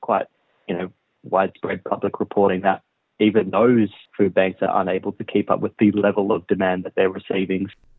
ada penyelenggaraan publik yang berbicara bahwa bahkan bank makanan itu tidak mampu mengembangkan kemampuan yang mereka terima